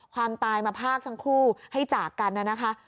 ความตายมาภาคทั้งคู่ให้จากกันนะคะ